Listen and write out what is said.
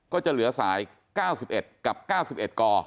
ก็จะเหลือสาย๙๑กับ๙๑ก